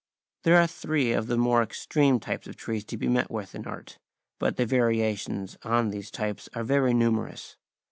These are three of the more extreme types of trees to be met with in art, but the variations on these types are very numerous.